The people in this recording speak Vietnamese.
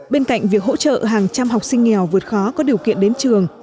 bên cạnh việc hỗ trợ hàng trăm học sinh nghèo vượt khó có điều kiện đến trường